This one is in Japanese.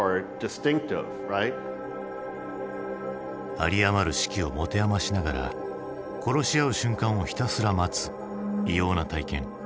有り余る士気を持て余しながら殺し合う瞬間をひたすら待つ異様な体験。